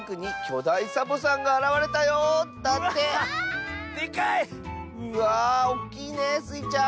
うわおっきいねスイちゃん。